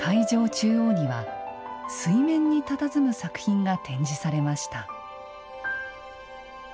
中央には水面にたたずむ作品が展示されました。